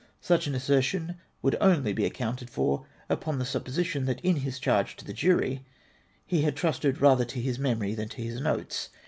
Such an assertion would only be accounted for upon the supposition, that in his charge to the jury he liad trusted rather to his memory than to his notes.